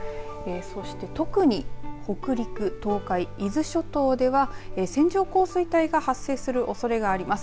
そして特に北陸、東海、伊豆諸島では線状降水帯が発生するおそれがあります。